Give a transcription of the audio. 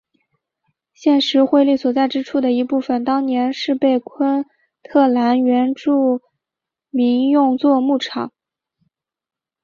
现时惠利所在之处的一部分当年是被昆特兰原住民用作墓地。